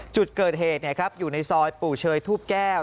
จุดเกิดเหตุอยู่ในซอยปู่เชยทูบแก้ว